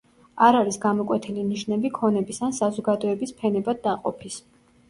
არ არის გამოკვეთილი ნიშნები ქონების ან საზოგადოების ფენებად დაყოფის.